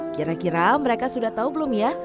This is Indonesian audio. kira kira mereka sudah tahu belum ya